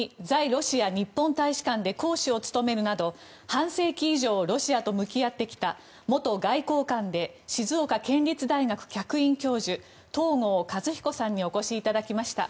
ロシア日本大使館で講師を務めるなど半世紀以上ロシアと向き合ってきた元外交官で静岡県立大学客員教授東郷和彦さんにお越しいただきました。